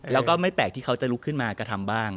แล้วก็ไม่แปลกที่เขาจะลุกขึ้นมากระทำบ้าง